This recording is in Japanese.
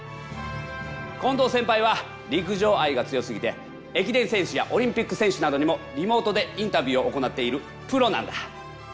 近藤先輩は陸上愛が強すぎて駅伝選手やオリンピック選手などにもリモートでインタビューを行っているプロなんだ。